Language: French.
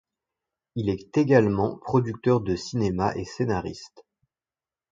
Il est également producteur de cinéma et scénariste.